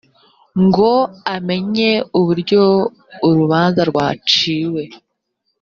ngo amenye uburyo urubanza rwaciwe